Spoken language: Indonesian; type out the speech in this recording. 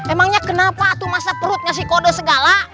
emangnya kenapa tuh masa perut ngasih kode segala